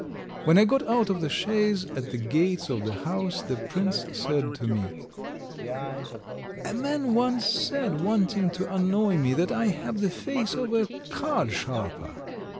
... When I got out of the chaise at the gates of the house the prince said to me: "A man once said, wanting to annoy me, that I have the face of a cardsharper.